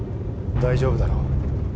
大丈夫だろう。